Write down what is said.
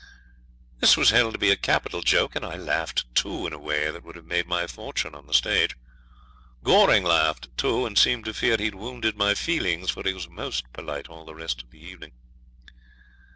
'This was held to be a capital joke, and I laughed too in a way that would have made my fortune on the stage. Goring laughed too, and seemed to fear he'd wounded my feelings, for he was most polite all the rest of the evening.'